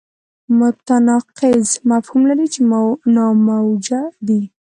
متناقض مفهوم لري چې ناموجه دی.